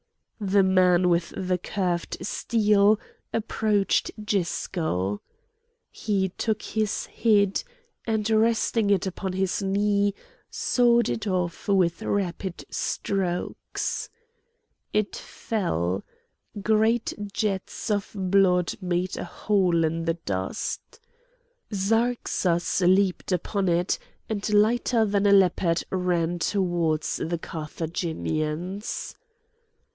The man with the curved steel approached Gisco. He took his head, and, resting it upon his knee, sawed it off with rapid strokes; it fell; to great jets of blood made a hole in the dust. Zarxas leaped upon it, and lighter than a leopard ran towards the Carthaginians.